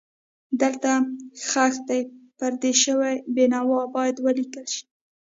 دلته ښخ دی پردیس شوی بېنوا باید ولیکل شي.